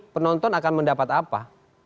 penonton akan mendapat apa